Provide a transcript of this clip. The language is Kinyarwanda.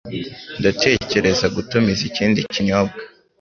Ndatekereza gutumiza ikindi kinyobwa